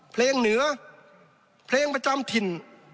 เหนือเพลงประจำถิ่น